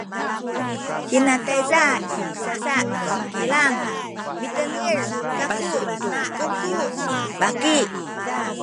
hina tayza i sasa nu kilang mitengil kaku tu kungku ni baki